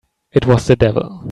It was the devil!